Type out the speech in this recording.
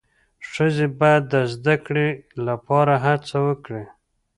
ښځې باید د زدهکړې لپاره هڅه وکړي.